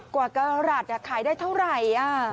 ๙๑กว่ากรรดาขายได้เท่าไหร่